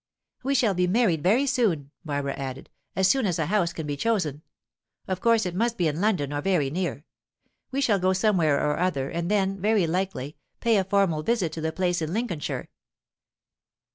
"We shall be married very soon," Barbara added; "as soon as a house can be chosen. Of course it must be in London, or very near. We shall go somewhere or other, and then, very likely, pay a formal visit to the 'place in Lincolnshire.'